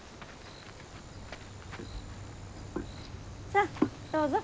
さあどうぞ。